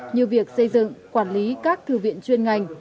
như việc xây dựng quản lý các thư viện chuyên ngành